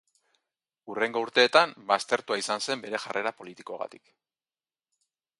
Hurrengo urteetan baztertua izan zen bere jarrera politikoagatik.